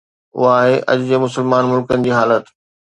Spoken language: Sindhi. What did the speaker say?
اها آهي اڄ جي مسلمان ملڪن جي حالت